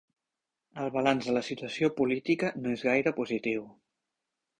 El balanç de la situació política no és gaire positiu.